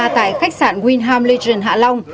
tại khách sạn windham legend hạ long